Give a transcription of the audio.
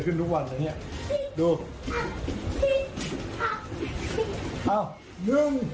ใช่แบบนั้นแหละโอ้อ่าน